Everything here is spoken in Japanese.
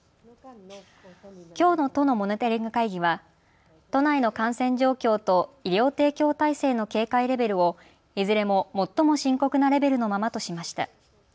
きょうの都のモニタリング会議は都内の感染状況と医療提供体制の警戒レベルをいずれも最も深刻なレベルのままとしました。